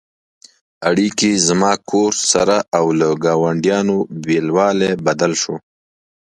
اړیکې «زما کور» سره او له ګاونډیانو بېلوالی بدل شو.